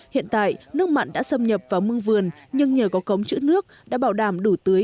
hiện tại nước mặn đã xâm nhập vào mương vườn nhưng nhờ có cống chữ nước đã bảo đảm đủ tưới